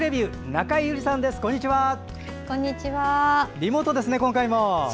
リモートですね、今回も。